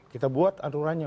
kita buat aturannya